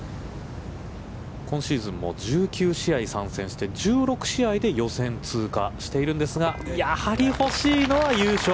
今週も１９試合参戦して、１６試合で予選通過しているんですが、やはり欲しいのは優勝。